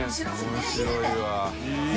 面白いわ。